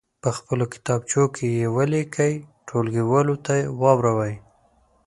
په خپلو کتابچو کې یې ولیکئ ټولګیوالو ته واوروئ.